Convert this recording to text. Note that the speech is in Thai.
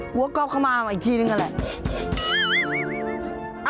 กลัวกอบเข้ามาอีกทีหนึ่งกันแหละ